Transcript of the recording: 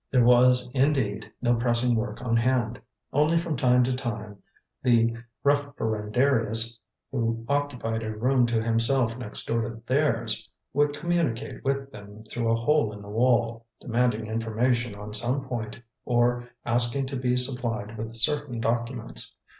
There was, indeed, no pressing work on hand. Only from time to time the Referendarius, who occupied a room to himself next door to theirs, would communicate with them through a hole in the wall, demanding information on some point or asking to be supplied with certain documents.